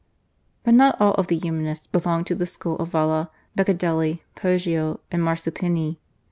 But not all of the Humanists belonged to the school of Valla, Beccadelli, Poggio, and Marsuppini.